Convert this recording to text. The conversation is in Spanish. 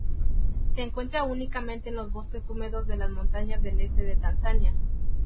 Se encuentra únicamente en los bosques húmedos de las montañas del este de Tanzania.